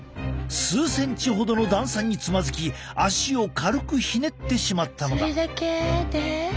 数センチほどの段差につまずき足を軽くひねってしまったのだ。